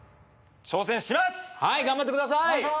はい頑張ってください！